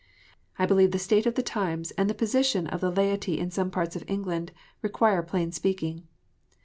I believe the state of the times, and the position of the laity in some parts of England, require plain speaking.